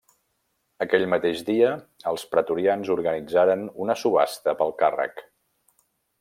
Aquell mateix dia els pretorians organitzaren una subhasta pel càrrec.